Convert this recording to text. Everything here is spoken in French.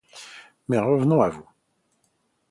Mais revenons à vous